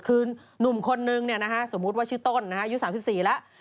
คือนุ่มคนนึงสมมุติว่าชื่อต้นอายุ๓๔แล้ว